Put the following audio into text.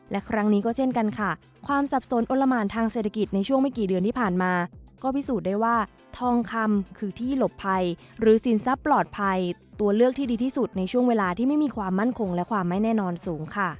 และครั้งนี้ก็เช่นกันค่ะความสับสนอนละหมานทางเศรษฐกิจในช่วงไม่กี่เดือนที่ผ่านมาก็พิสูจน์ได้ว่าทองคำคือที่หลบภัยหรือสินทรัพย์ปลอดภัยตัวเลือกที่ดีที่สุดในช่วงเวลาที่ไม่มีความมั่นคงและความไม่แน่นอนสูงค่ะ